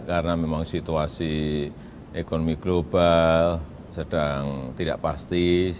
karena memang situasi ekonomi global sedang tidak pasti